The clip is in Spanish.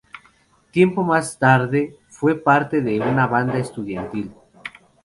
Tiempo más tarde fue parte de una banda estudiantil.